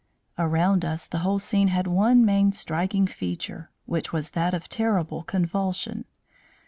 "Around us the whole scene had one main striking feature, which was that of terrible convulsion.